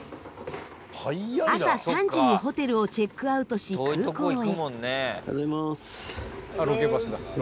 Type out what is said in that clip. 朝３時にホテルをチェックアウトし空港へ。